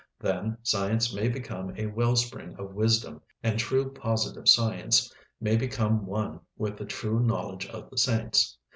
Then science may become a wellspring of wisdom, and true positive science may become one with the true knowledge of the saints.